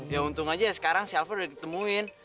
ya untung aja sekarang si alva udah ditemuin